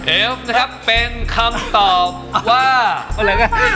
เอลนะครับเป็นคำตอบว่า